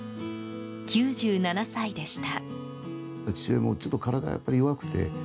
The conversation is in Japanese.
９７歳でした。